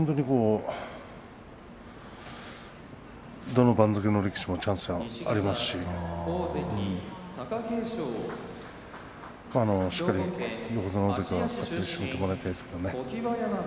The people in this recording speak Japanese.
どの番付の力士もチャンスがありますししっかり横綱大関は締めてもらいたいですけれどもね。